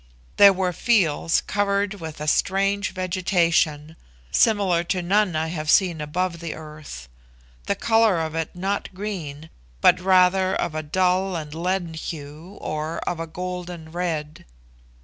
There were fields covered with a strange vegetation, similar to none I have seen above the earth; the colour of it not green, but rather of a dull and leaden hue or of a golden red.